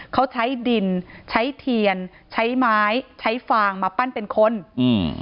เขาใช้ดินใช้เทียนใช้ไม้ใช้ฟางมาปั้นเป็นคนอืม